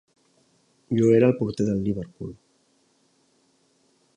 Jo era el porter del Liverpool.